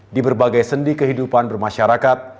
di berbagai sendi kehidupan bermasyarakat